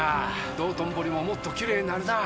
道頓堀ももっときれいになるなぁ。